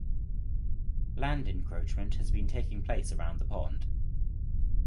Land encroachment has been taking place around the pond.